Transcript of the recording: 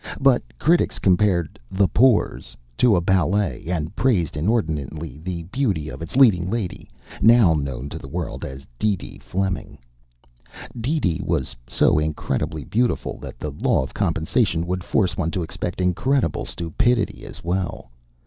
But critics compared The Pores to a ballet and praised inordinately the beauty of its leading lady, now known to the world as DeeDee Fleming. DeeDee was so incredibly beautiful that the law of compensation would force one to expect incredible stupidity as well.